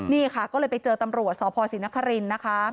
นี่ค่ะก็เลยไปเจอตำรวจสพศรีนครินทร์นะคะ